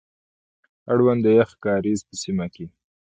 اړوند د يخ کاريز په سيمه کي،